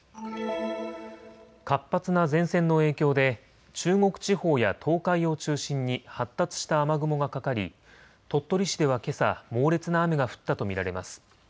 活発な前線の影響で中国地方や東海を中心に発達した雨雲がかかり鳥取市では、けさ猛烈な雨が降ったと見られます。